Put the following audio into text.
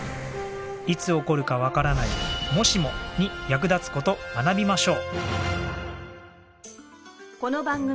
いつ起こるかわからない「もしも」に役立つ事学びましょう。